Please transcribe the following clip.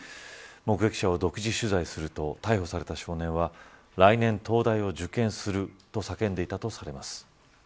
目撃者を独自取材すると逮捕された少年は来年、東大を受験すると叫んでいたとされます。